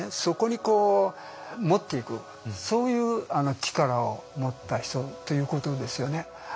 そこにこう持っていくそういう力を持った人ということですよね。